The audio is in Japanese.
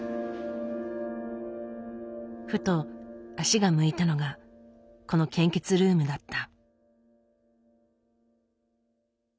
ふと足が向いたのがこの献血ルームだった。